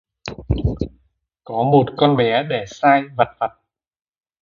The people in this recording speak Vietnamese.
Có một con bé để sai vặt vặt